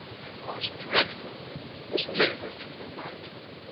It was dreadful, this labour through the night.